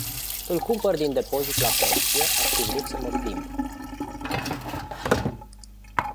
Îl cumpăr din depozit la pensie aș fi vrut să mă plimb.